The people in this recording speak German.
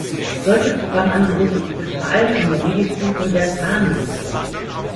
Solche Programm-Angebote gibt es vor allem in der Medizin und der Zahnmedizin.